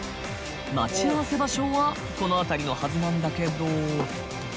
待ち合わせ場所はこの辺りのはずなんだけど。